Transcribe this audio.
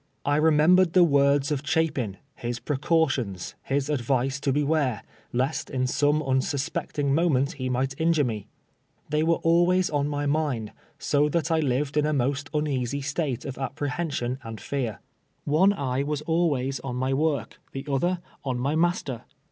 I remembered the words of Chapin, his precautions, his advice to beware, lest in some unsus pecting moment lie might injure me. Tliey were al ways in my mind, so that I lived in a most uneasy state of api^rehension and fear. One eye was on my work, the other on my master.